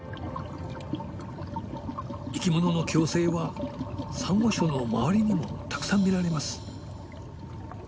生きものの共生はサンゴ礁の周りにもたくさん見られます。